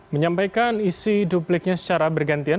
menyampaikan isi dupliknya secara bergantian